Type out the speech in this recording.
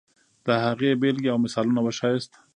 د هغې بېلګې او مثالونه وښیاست.